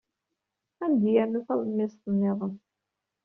Ad am-d-yernu talemmiẓt niḍen.